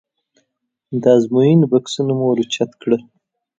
د ازموینې بکسونه مو ور اوچت کړل.